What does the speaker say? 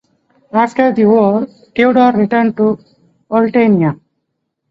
After the war, Tudor returned to Oltenia.